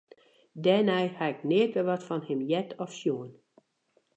Dêrnei ha ik nea wer wat fan him heard of sjoen.